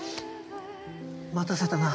待たせたな。